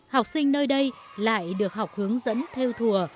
học sinh nơi đây lại được học hướng dẫn theo thùa